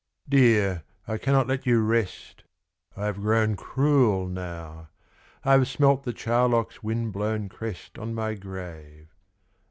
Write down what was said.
Dear, I cannot let you rest I have grown cruel now ; I have Smelt the charlock's wind blown crest ( >n my grave.